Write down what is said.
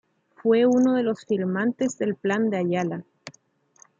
Fue uno de los firmantes del Plan de Ayala.